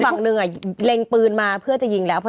ฝั่งหนึ่งเล็งปืนมาเพื่อจะยิงแล้ว